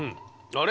あれ？